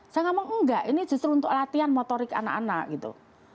saya ngomong enggak ini justru untuk latihan motorik anak anak gitu